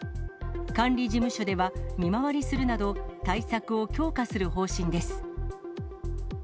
管理事務所では見回りするなど、対策を強化する方針です。